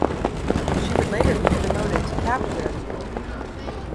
She would later be promoted to Captain.